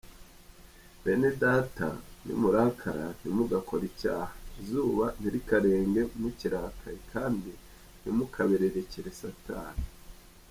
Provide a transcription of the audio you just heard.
Bene data nimurakara, ntimugakore icyaha, izuba ntirikarenge mukirakaye kandi ntimukabererekere Satani.